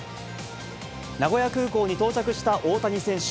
名古屋空港に到着した大谷選手。